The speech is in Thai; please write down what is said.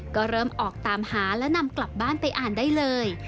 ก็เริ่มออกตามหาและนำกลับบ้านไปอ่านได้เลย